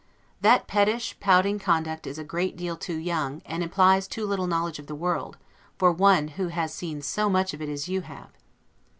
That pettish, pouting conduct is a great deal too young, and implies too little knowledge of the world, for one who has seen so much of it as you have.